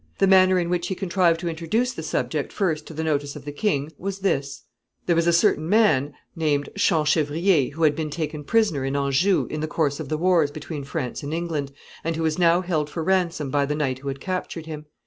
The manner in which he contrived to introduce the subject first to the notice of the king was this. [Sidenote: Champchevrier.] There was a certain man, named Champchevrier, who had been taken prisoner in Anjou in the course of the wars between France and England, and who was now held for ransom by the knight who had captured him.